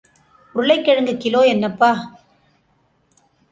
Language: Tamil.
உருளைக் கிழங்கு கிலோ என்னப்பா...?